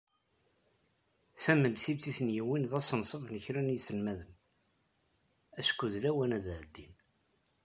Tamentilt i t-yuwin d asenṣeb n kra n yiselmaden, acku d lawan ad ɛeddin.